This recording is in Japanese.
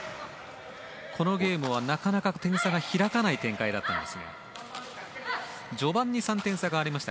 このゲームはなかなか点差が開かない展開でした。